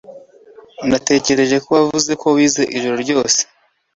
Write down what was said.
Natekereje ko wavuze ko wize ijoro ryose.